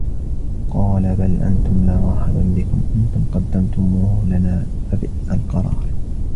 قالوا بل أنتم لا مرحبا بكم أنتم قدمتموه لنا فبئس القرار